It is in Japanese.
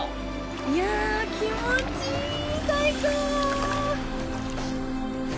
いやあ、気持ちいい！最高！